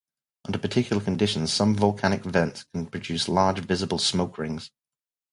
Under particular conditions, some volcanic vents can produce large visible smoke rings.